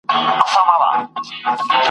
چا ته به یې نه ګټه نه تاوان ورسیږي !.